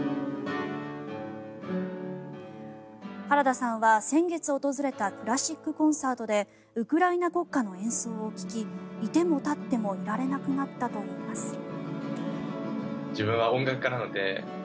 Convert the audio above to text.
原田さんは、先月訪れたクラシックコンサートでウクライナ国歌の演奏を聴きいても立ってもいられなくなったといいます。